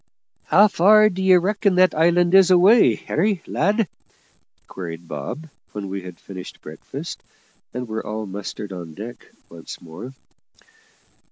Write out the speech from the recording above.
"How far d'ye reckon that island is away, Harry, lad?" queried Bob, when we had finished breakfast and were all mustered on deck once more.